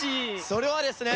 それはですね。